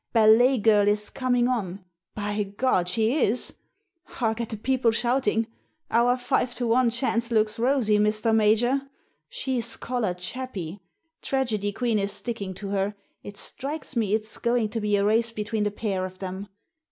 Ballet Girl is coming on. By gad, she is ! Hark at the people shouting. Our five to one chance looks rosy, Mr. Major. She's collared Chappie! Tragedy Queen is sticking to her. It strikes me it's going to be a race between the pair of them.